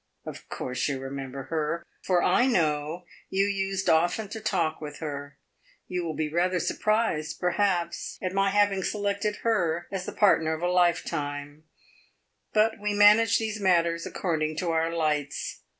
Of course you remember her, for I know you used often to talk with her. You will be rather surprised, perhaps, at my having selected her as the partner of a life time; but we manage these matters according to our lights.